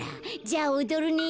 じゃあおどるね。